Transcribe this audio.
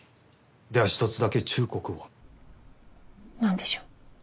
では一つだけ忠告を何でしょう？